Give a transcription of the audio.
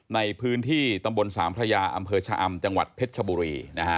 ในพื้นที่ตำบลสามพระยาอำเภอชะอำจังหวัดเพชรชบุรี